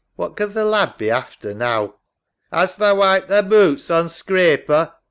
What can th' lad be after now? (Calling) Hast tha wiped thy boots on scraper?